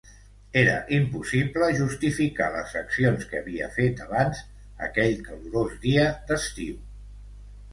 Era impossible justificar les accions que havia fet abans aquell calorós dia d'estiu.